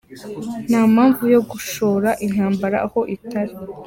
Nta mpamvu yo gushoza intambara aho itari.